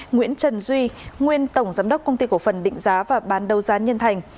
nguyễn trần duy nguyên tổng giám đốc công ty cổ phần định giá và bán đâu gián nhân thành